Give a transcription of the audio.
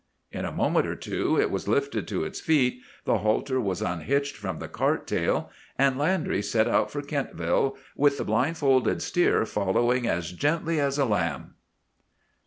In a moment or two it was lifted to its feet, the halter was unhitched from the cart tail, and Landry set out for Kentville with the blindfolded steer following as gently as a lamb."